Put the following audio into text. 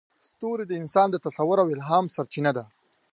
ستوري د انسان د تصور او الهام سرچینه ده.